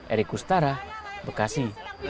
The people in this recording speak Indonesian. eri kustara bekasi